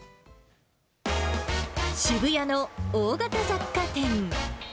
渋谷の大型雑貨店。